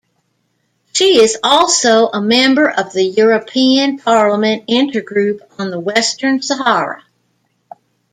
She is also a member of the European Parliament Intergroup on the Western Sahara.